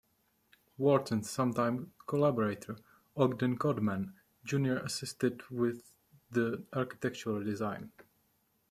Wharton's sometime collaborator, Ogden Codman, Junior assisted with the architectural design.